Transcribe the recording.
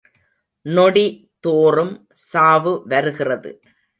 நொடி தோறும் சாவு வருகிறது.